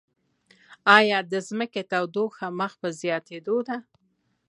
ایا د ځمکې تودوخه مخ په زیاتیدو ده؟